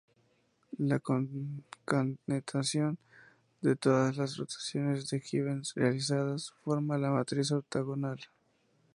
La concatenación de todas las rotaciones de Givens realizadas, forma la matriz ortogonal "Q".